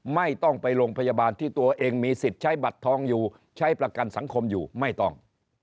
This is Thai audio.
ไม่ต้องไปโรงพยาบาลที่ตัวเองมีสิทธิ์ใช้บัตรทองอยู่ใช้ประกันสังคมอยู่ไม่ต้อง